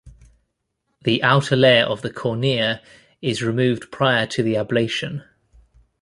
The outer layer of the cornea is removed prior to the ablation.